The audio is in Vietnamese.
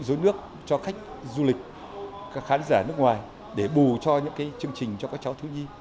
dối nước cho khách du lịch các khán giả nước ngoài để bù cho những cái chương trình cho các cháu thiếu nhi